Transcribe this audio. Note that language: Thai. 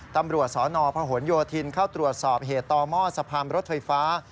ตำรวจสนพหนโยธินเข้าตรวจสอบเหตุต่อหม้อสะพานรถไฟฟ้า